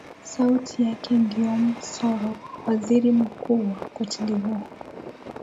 sauti yake giom soro waziri mkuu wa cote dvoire